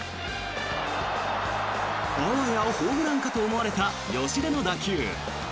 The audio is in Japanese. あわやホームランかと思われた吉田の打球。